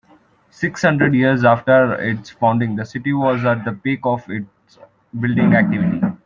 Six hundred years after its founding, the city was at the peak of its building activity.